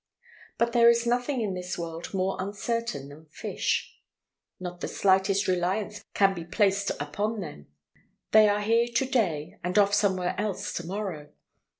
But there is nothing in this world more uncertain than fish. Not the slightest reliance can be placed upon them. They are here to day, and off somewhere else to morrow.